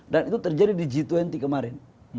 dan itu terjadi di g dua puluh kemarin